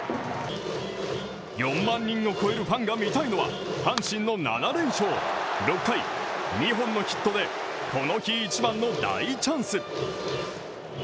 ４万人を超えるファンが見たいのは阪神の７連勝と２本のヒットで、この日一番の大チャンス。